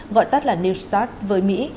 gọi tắt là new start với mỹ